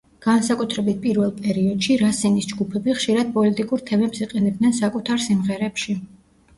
განსაკუთრებით პირველ პერიოდში რასინის ჯგუფები ხშირად პოლიტიკურ თემებს იყენებდნენ საკუთარ სიმღერებში.